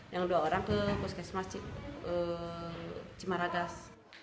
yang dua orang ke puskesmas cimaragas